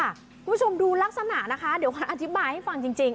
คุณผู้ชมดูลักษณะนะคะเดี๋ยวขวัญอธิบายให้ฟังจริง